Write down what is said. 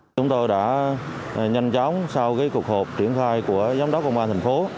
chúng tôi đã nhanh chóng sau cuộc họp triển khai của giám đốc công an thành phố